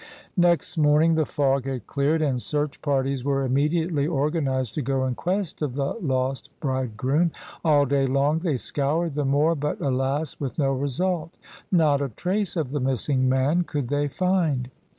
Next morning the fog had cleared; and search parties were immediately organized to go in quest of the lost bride groom. All day long they scoured the moor, but alas! with no result: not a trace of the missing man could they find.